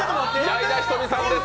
矢井田瞳さんです！